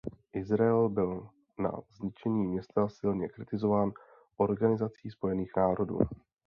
Izrael byl za zničení města silně kritizován Organizací spojených národů.